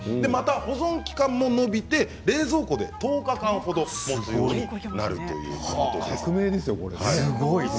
保存期間も延びて冷蔵庫で１０日間ほど保存できるようになるということです。